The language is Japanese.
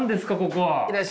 ここは。